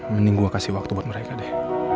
mending gue kasih waktu buat mereka deh